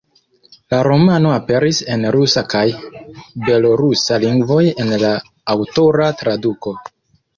La romano aperis en rusa kaj belorusa lingvoj en la aŭtora traduko.